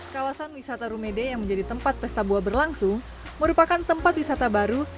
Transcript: kawasan wisata rumede yang menjadi tempat pesta buah berlangsung merupakan tempat wisata baru